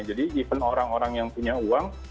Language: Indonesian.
jadi even orang orang yang punya uang